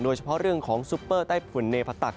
โดยเฉพาะเรื่องของซุปเปอร์ใต้ฝุ่นเนพตัก